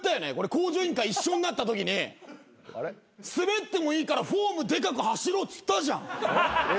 『向上委員会』一緒になったときにスベってもいいからフォームでかく走ろうっつったじゃん。